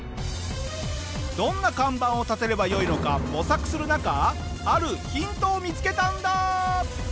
どんな看板を立てればよいのか模索する中あるヒントを見付けたんだ。